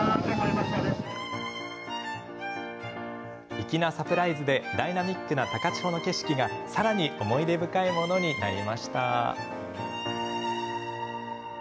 粋なサプライズでダイナミックな高千穂の景色がさらに思い出深いものになりました。